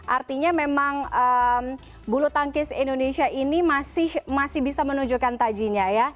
artinya memang bulu tangkis indonesia ini masih bisa menunjukkan tajinya ya